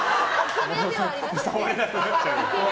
触れなくなっちゃうよ。